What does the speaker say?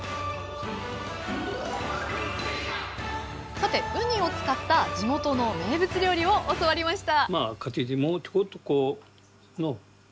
さてウニを使った地元の名物料理を教わりました！